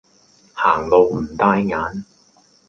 行路唔帶眼